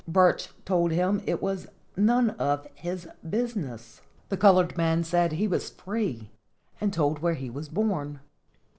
Burch told him it was none of his business. The colored man said he was free, and told where he was born.